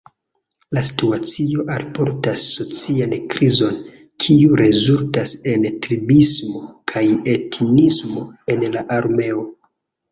La situacio alportas socian krizon, kiu rezultas en tribismo kaj etnismo en la armeo.